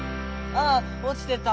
ああっおちてた。